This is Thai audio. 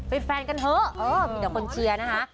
ไปแฟนกันเถอะมีเดี๋ยวคนเชียร์นะฮะ